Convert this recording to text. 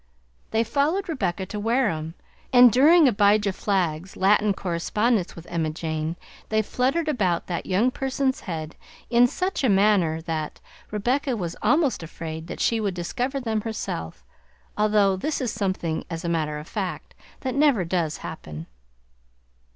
They followed Rebecca to Wareham, and during Abijah Flagg's Latin correspondence with Emma Jane they fluttered about that young person's head in such a manner that Rebecca was almost afraid that she would discover them herself, although this is something, as a matter of fact, that never does happen.